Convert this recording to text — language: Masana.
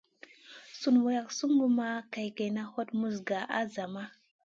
Sùn wrak sungu ma sli kègèna, hot muz gaʼa a zama.